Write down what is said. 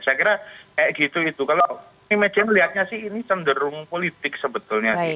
saya kira kayak gitu gitu kalau ini media melihatnya sih ini cenderung politik sebetulnya sih